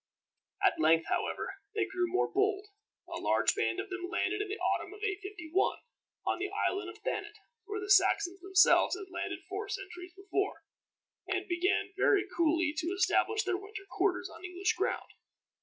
At length, however, they grew more bold. A large band of them landed, in the autumn of 851, on the island of Thanet where the Saxons themselves had landed four centuries before, and began very coolly to establish their winter quarters on English ground.